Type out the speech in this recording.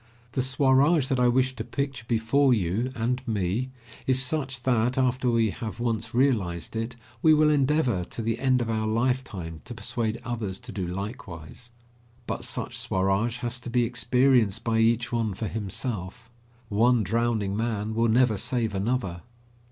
The Swaraj that I wish to picture before you and me is such that, after we have once realised it, we will endeavour to the end of our lifetime to persuade others to do likewise. But such Swaraj has to be experienced by each one for himself. One drowning man will never save another.